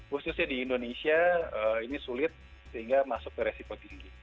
khususnya di indonesia ini sulit sehingga masuk ke resiko tinggi